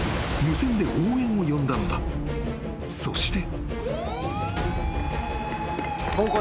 ［そして］